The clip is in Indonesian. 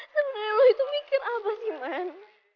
sebenernya lo itu mikir apa sih man